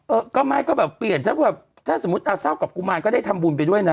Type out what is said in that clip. เออก็ไม่ก็แบบเปลี่ยนถ้าแบบถ้าสมมุติเศร้ากับกุมารก็ได้ทำบุญไปด้วยนะ